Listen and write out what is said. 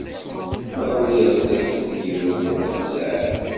Teɣliḍ-d akked yiwen n uxeddaɛ.